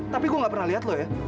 tapi gue nggak pernah lihat lo ya